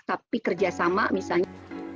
tapi kerjasama misalnya